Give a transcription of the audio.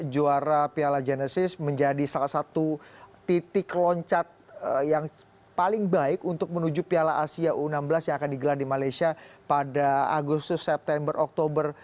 juara piala genesis menjadi salah satu titik loncat yang paling baik untuk menuju piala asia u enam belas yang akan digelar di malaysia pada agustus september oktober